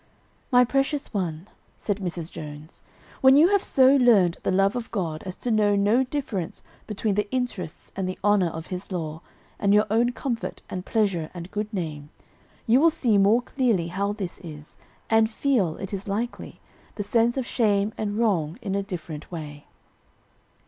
"My precious one," said Mrs. Jones, "when you have so learned the love of God as to know no difference between the interests and the honor of his law, and your own comfort and pleasure and good name, you will see more clearly how this is, and feel, it is likely, the sense of shame and wrong in a different way."